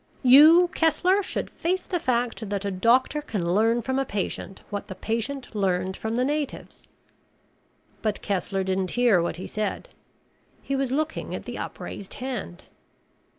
"You, Kessler, should face the fact that a doctor can learn from a patient what the patient learned from the natives." But Kessler didn't hear what he said. He was looking at the upraised hand.